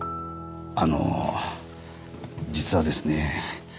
あの実はですね。